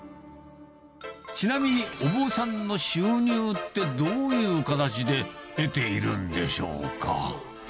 ちなみに、お坊さんの収入って、どういう形で得ているんでしょうか。